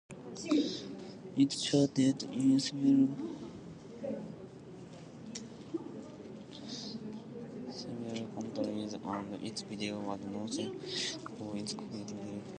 It charted in several countries and its video was noted for its creative direction.